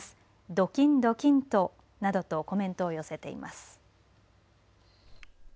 ドキンドキンと。などとコメントを寄せています。